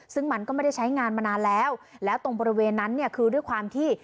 ซึ่งมันก็ไม่ได้ใช้งานมานานแล้วแล้วตรงบริเวณนั้นเนี่ยคือด้วยความที่